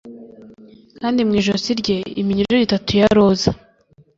kandi mu ijosi rye iminyururu itatu ya roza